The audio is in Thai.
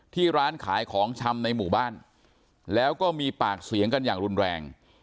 ที่ร้านขายของชำในหมู่บ้านแล้วก็มีปากเสียงกันอย่างรุนแรง